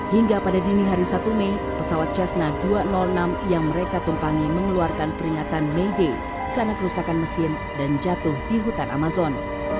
hingga pada dini hari satu mei pesawat cessna dua ratus enam yang mereka tumpangi mengeluarkan peringatan may day karena kerusakan mesin dan jatuh di hutan amazon